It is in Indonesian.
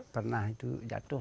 pernah itu jatuh